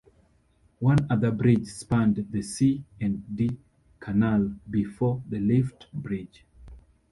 One other bridge spanned the C and D Canal before the lift bridge.